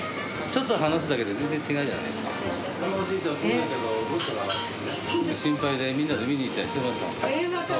ちょっと話すだけで、全然違うじゃないですか。